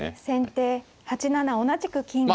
先手８七同じく金。